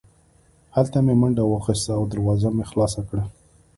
هلته مې منډه واخیسته او دروازه مې خلاصه کړه